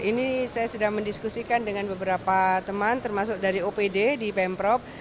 ini saya sudah mendiskusikan dengan beberapa teman termasuk dari opd di pemprov